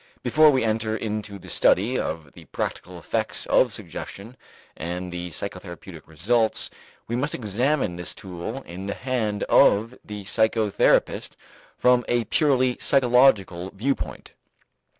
Before we enter into the study of the practical effects of suggestion and the psychotherapeutic results, we must examine this tool in the hand of the psychotherapist from a purely psychological viewpoint.